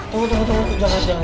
tunggu tunggu jangan jangan